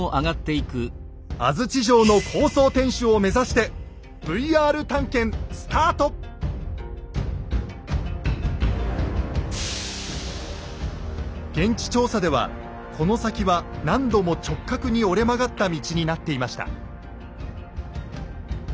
安土城の高層天主を目指して現地調査ではこの先は何度も直角に折れ曲がった道になっていました。